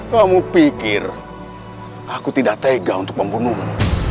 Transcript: kamu pikir aku tidak tega untuk membunuhmu